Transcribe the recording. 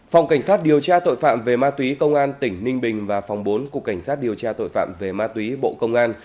phòng cảnh sát điều tra tội phạm về ma túy công an tỉnh ninh bình và phòng bốn cục cảnh sát điều tra tội phạm về ma túy bộ công an